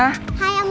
hai om rendy